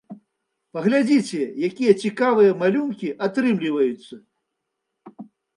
Паглядзіце, якія цікавыя малюнкі атрымліваюцца!